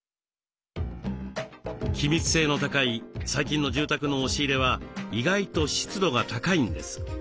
気密性の高い最近の住宅の押し入れは意外と湿度が高いんです。